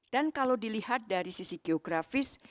dan kalau dilihat dari sisi geografis